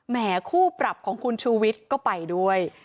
แหมคู่ปรับของคุณชุวิตก็ไปด้วย